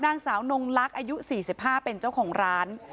นางสาวนงลักษณ์อายุ๔๕เป็นเจ้าของร้าน